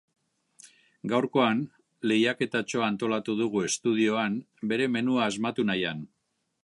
Gaurkoan lehiaketatxoa antolatu dugu estudioan bere menua asmatu nahian.